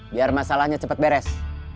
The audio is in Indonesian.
biar masalahnya cepat beres